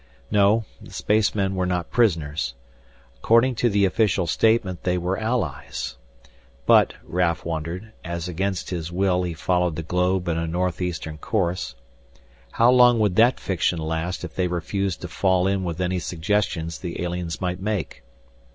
No, the spacemen were not prisoners. According to the official statement they were allies. But, Raf wondered, as against his will he followed the globe in a northeastern course, how long would that fiction last if they refused to fall in with any suggestions the aliens might make?